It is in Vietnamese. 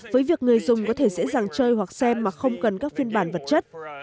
với việc người dùng có thể dễ dàng chơi hoặc xem mà không cần các phiên bản vật chất